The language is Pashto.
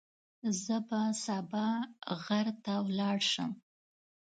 زه به سبا غر ته ولاړ شم.